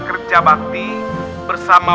kerja bakti bersama